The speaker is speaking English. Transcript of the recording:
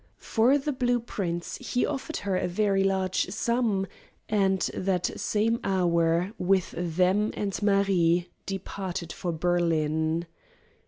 For the blue prints he offered her a very large sum, and that same hour with them and Marie departed for Berlin.